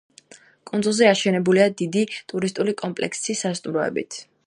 კუნძულზე აშენებულია დიდი ტურისტული კომპლექსი სასტუმროებით.